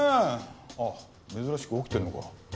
あっ珍しく起きてるのか。